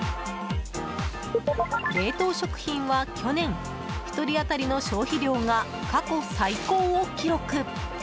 冷凍食品は去年、１人当たりの消費量が過去最高を記録。